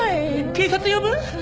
警察呼ぶ？